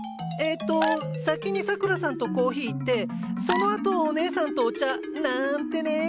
えっと先にさくらさんとコーヒー行ってそのあとお姉さんとお茶。なんてね。